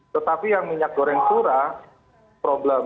tetapi yang minyak goreng curah problem